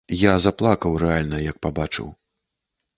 Я заплакаў, рэальна, як пабачыў.